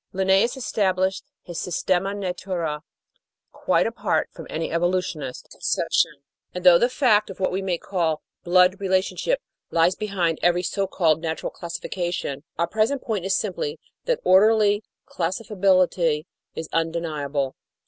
Linnaeus established his Systema Naturae quite apart from any evolutionist 706 The Outline of Science conception, and though the fact of what we may call "blood relationship" lies behind every so called natural classification, our present point is simply that orderly classifiability is undeniable.